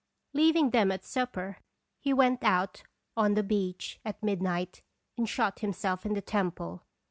Leaving them at supper, he went out on the beach at midnight, and shot himself in the temple.